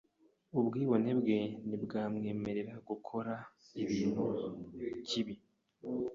Ubwibone bwe ntibwamwemerera gukora ikintu kibi.